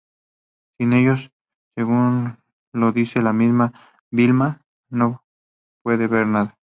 Sin ellos, según lo dice la misma Vilma, "no puede ver nada".